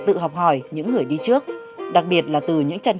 từ những việc làm ấy